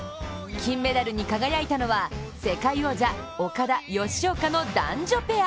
金メダルに輝いたのは世界王者、岡田・吉岡の男女ペア。